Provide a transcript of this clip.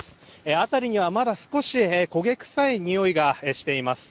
辺りには、まだ少し焦げ臭いにおいがしています。